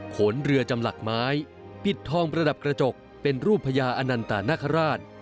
ขนเรือจำหลักไม้ปิดทองประดับกระจกเป็นรูปพญาอนันตานาคาราช